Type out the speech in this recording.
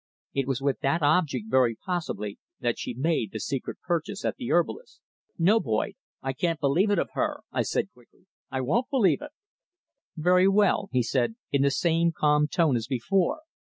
It was with that object very possibly that she made the secret purchase at the herbalist's." "No, Boyd, I can't believe it of her," I said quickly. "I won't believe it!" "Very well," he said in the same calm tone as before.